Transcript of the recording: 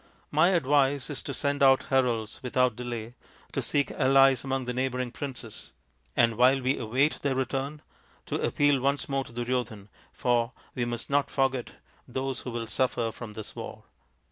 My advice is to send out heralds without delay to seek allies among the neighbouring princes, and while we await their return to appeal once more to Duryodhan, for we must not forget those who will suffer from this war.